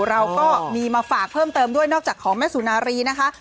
เราก็มีมาฝากเพิ่มเติมด้วยนอกจากของแม่สุนารีนะคะ